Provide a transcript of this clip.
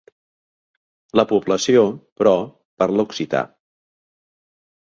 La població, però, parla occità.